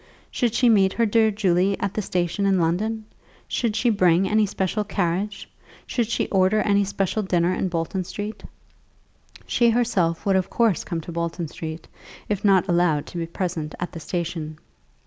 Should she meet her dear Julie at the station in London? Should she bring any special carriage? Should she order any special dinner in Bolton Street? She herself would of course come to Bolton Street, if not allowed to be present at the station.